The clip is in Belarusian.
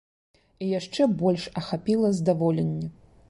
І яшчэ больш ахапіла здаволенне.